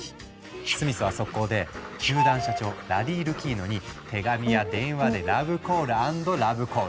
スミスは速攻で球団社長ラリー・ルキーノに手紙や電話でラブコール＆ラブコール。